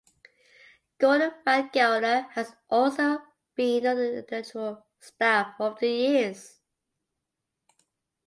Gordon Van Gelder has also been on the editorial staff over the years.